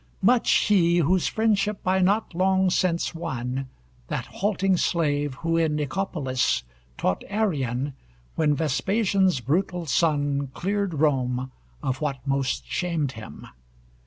Much he, whose friendship I not long since won, That halting slave, who in Nicopolis Taught Arrian, when Vespasian's brutal son Cleared Rome of what most shamed him.